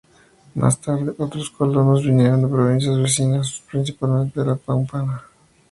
Más tarde, otros colonos vinieron de provincias vecinas principalmente de La Pampanga.